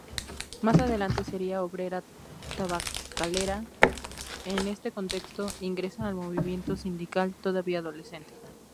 Más adelante sería obrera tabacalera; en este contexto, ingresa al movimiento sindical, todavía adolescente.